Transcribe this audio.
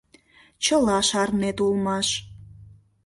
Чыла шарнет улмаш.